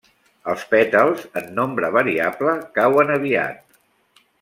Els pètals, en nombre variable, cauen aviat.